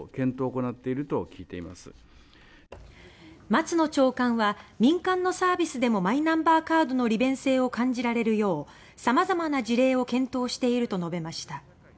松野長官は民間のサービスでもマイナンバーカードの利便性を感じられるようさまざまな事例を検討していると述べました。